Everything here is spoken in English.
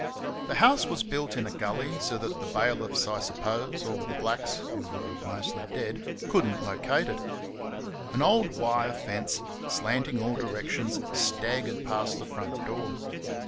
The house was built in a gully so that the bailiffs (I suppose) or the blacks who were mostly dead could n't locate it. An old wire fence, slanting all directions, staggered past the front door.